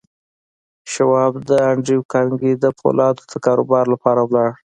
شواب د انډریو کارنګي د پولادو د کاروبار لپاره ولاړ